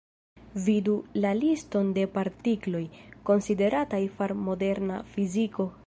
Vidu la liston de partikloj, konsiderataj far moderna fiziko.